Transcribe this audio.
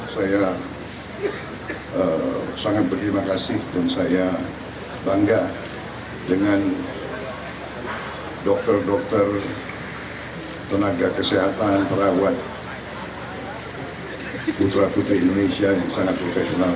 saya sangat berterima kasih dan saya bangga dengan dokter dokter tenaga kesehatan perawat putra putri indonesia yang sangat profesional